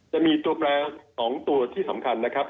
จะมีตัวแปล๒ตัวที่สำคัญนะครับ